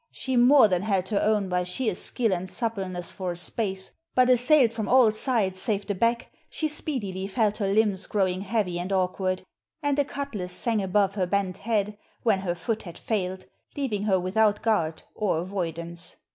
She more than held her own by sheer skill and suppleness for a space; but assailed from all sides save the back she speedily felt her limbs growing heavy and awkward, and a cutlas sang above her bent head when her foot had failed, leaving her without guard or avoidance.